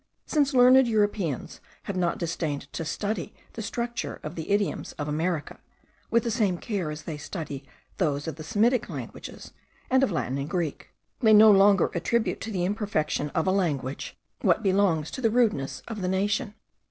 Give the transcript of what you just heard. Since learned Europeans have not disdained to study the structure of the idioms of America with the same care as they study those of the Semitic languages, and of the Greek and Latin, they no longer attribute to the imperfection of a language, what belongs to the rudeness of the nation.